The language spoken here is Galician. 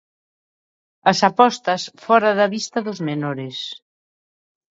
¡As apostas fóra da vista dos menores!